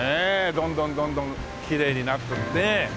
どんどんどんどんきれいになってねえ。